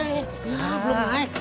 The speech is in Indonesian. iya belum naik